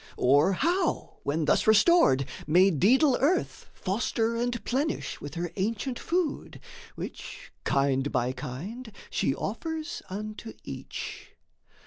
Or how, when thus restored, may daedal Earth Foster and plenish with her ancient food, Which, kind by kind, she offers unto each?